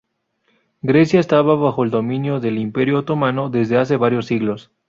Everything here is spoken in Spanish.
Grecia estaba bajo el dominio del Imperio otomano desde hace varios siglos.